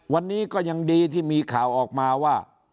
วันนี้ก็ยังดีที่มีข่าวออกมาว่า